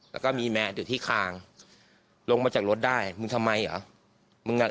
แล้วก็มีแมสอยู่ที่คางลงมาจากรถได้มึงทำไมเหรอ